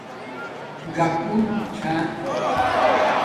ژَکُن چھا